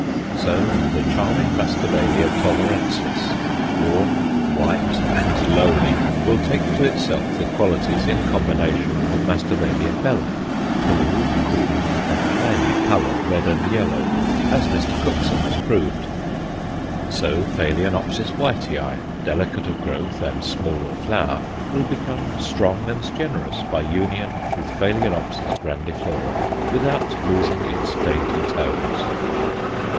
So the charming Masdevallia Tovarensis, warm, white and lowly, will take to itself the qualities, in combination, of Mas. bella, tall, cool, and highly coloured red and yellow, as Mr. Cookson has proved; so Phaloenopsis Wightii, delicate of growth and small of flower, will become strong and generous by union with Phal. grandiflora, without losing its dainty tones.